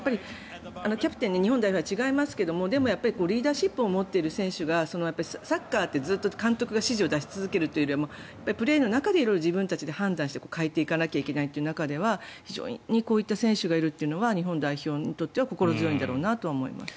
キャプテン日本代表では違いますがリーダーシップを持っている選手がサッカーって監督がずっと指示を出し続けるというよりもプレーの中で色々自分たちで判断して変えていかなければいけないという中では非常にこういった選手がいるというのは日本代表にとっては心強いんだろうなと思います。